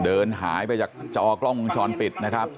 เดินหายไปจากจอกล้องวงจรปิดนะครับ